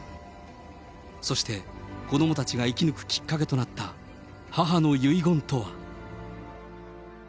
そして、子どもたちが生き抜くきっかけとなった母の遺言とは。